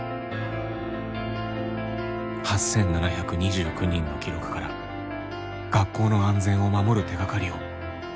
８，７２９人の記録から学校の安全を守る手がかりを探ります。